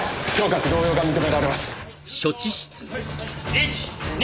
１２。